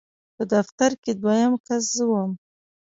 په دفتر کې دویم کس زه وم.